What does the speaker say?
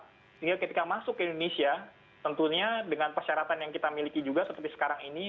sehingga ketika masuk ke indonesia tentunya dengan persyaratan yang kita miliki juga seperti sekarang ini